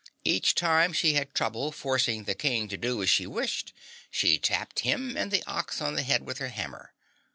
Each time she had trouble forcing the King to do as she wished, she tapped him and the ox on the head with her hammer.